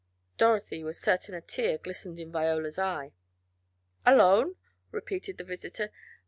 Dorothy was certain a tear glistened in Viola's eye. "Alone!" repeated the visitor.